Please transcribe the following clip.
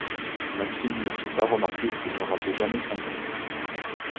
Maxime ne fit pas remarquer qu’il ne ratait jamais son coup